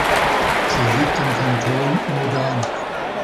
Sie liegt im Kanton Modane.